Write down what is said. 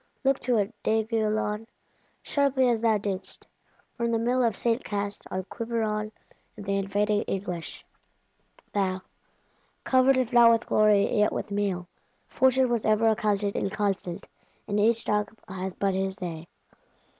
Look to it, D'Aiguillon; sharply as thou didst, from the Mill of St. Cast, on Quiberon and the invading English; thou, "covered if not with glory yet with meal!" Fortune was ever accounted inconstant: and each dog has but his day.